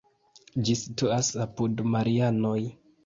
Ĝi situas apud Marianoj.